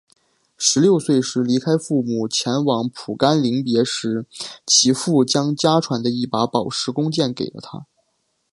十六岁时离开父母前往蒲甘临别时其父将家传的一把宝石弓箭给了他。